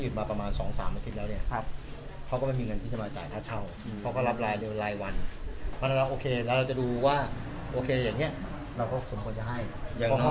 อย่างน้อยก็เป็นค่าอาหารก็ยังดีค่าเช่าเราไม่สามารถที่จะช่วยเขาได้อยู่แล้ว